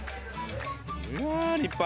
うわ立派。